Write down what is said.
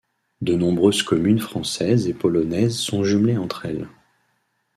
De nombreuses communes françaises et polonaises sont jumelées entre elles.